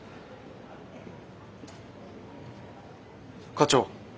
課長。